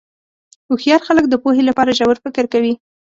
هوښیار خلک د پوهې لپاره ژور فکر کوي.